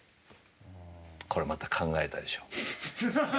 これまた、考えたでしょ。